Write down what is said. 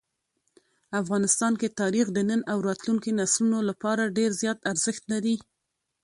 افغانستان کې تاریخ د نن او راتلونکي نسلونو لپاره ډېر زیات ارزښت لري.